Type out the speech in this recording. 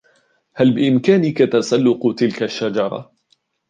هل بإمكانك تسلق تلك الشجرة ؟